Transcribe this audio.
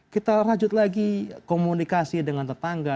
kita rajut lagi komunikasi dengan tetangga